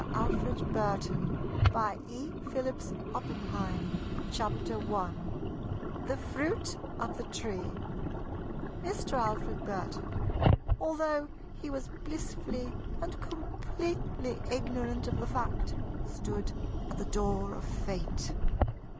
ALFRED BURTON CHAPTER I THE FRUIT OF THE TREE Mr. Alfred Burton, although he was blissfully and completely ignorant of the fact, stood at the door of Fate.